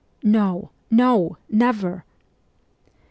' No, no, never !